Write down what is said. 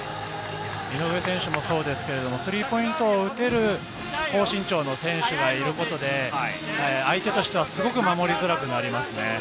井上選手もそうですが、スリーポイントを受ける高身長の選手がいることで相手としてはすごく守りづらくなりますね。